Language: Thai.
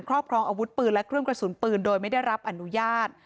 ครอบครองอาวุธปืนและเครื่องกระสุนปืนโดยไม่ได้รับอนุญาต